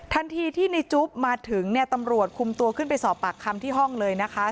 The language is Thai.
ทันทีที่ในจุ๊บมาถึงเนี่ยตำรวจคุมตัวขึ้นไปสอบปากคำที่ห้องเลยนะคะ